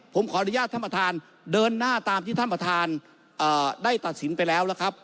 ผมขออนุญาตท่านประธานเดินหน้าตามที่ท่านประธานได้ตัดสินไปแล้วนะครับ